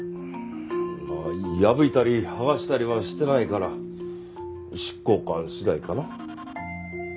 まあ破いたり剥がしたりはしてないから執行官次第かな。